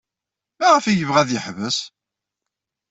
Maɣef ay yebɣa ad yeḥbes?